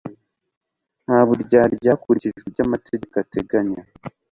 nta buryarya hakurikijwe ibyo amategeko ateganya